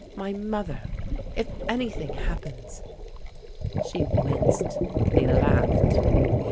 My mother! If anything happens " She winced, and he laughed.